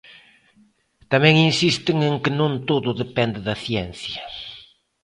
Tamén insisten en que non todo depende da ciencia.